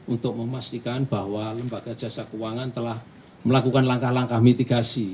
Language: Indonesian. untuk memastikan bahwa lembaga jasa keuangan telah melakukan langkah langkah mitigasi